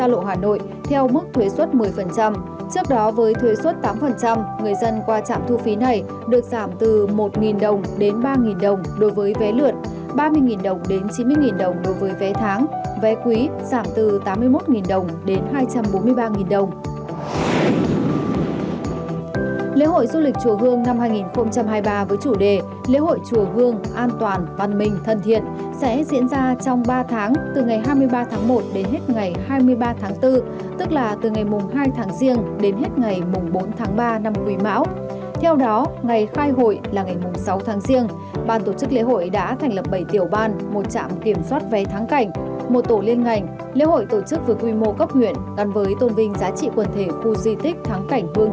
lễ hội du lịch chùa hương năm hai nghìn hai mươi ba với chủ đề lễ hội du lịch chùa hương an toàn văn minh thân thiện sẽ diễn ra trong ba tháng từ ngày hai mươi ba tháng một đến hết ngày hai mươi ba tháng bốn